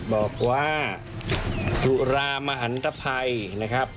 บอกว่าสุรามหันตภัยนะครับ